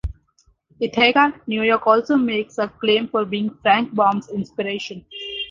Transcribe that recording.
Ithaca, New York, also makes a claim for being Frank Baum's inspiration.